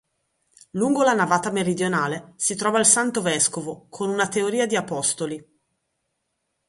Lungo la navata meridionale si trova il "Santo vescovo" con una "teoria di apostoli".